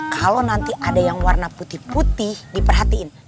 kalau nanti ada yang warna putih putih diperhatiin